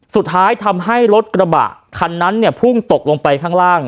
สุดท้ายทำให้รถกระบะคันนั้นพุ่งตกลงไปข้างล่าง